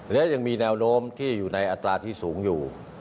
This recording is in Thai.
และยังมีแนวโน้มที่อยู่ในอัตราที่สูงอยู่